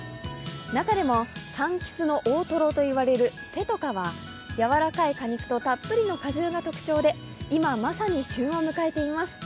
中でも、かんきつの大トロと言われる、せとかはやわらかい果肉とたっぷりの果汁が特徴で今まさに旬を迎えています。